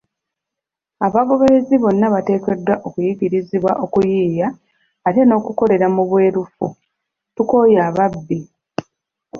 Abagoberezi bonna bateekeddwa okuyigirizibwa okuyiiya, ate n'okukolera mu bwerufu; tukooye ababbi.